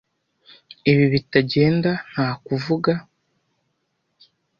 Ibi bitagenda nta kuvuga.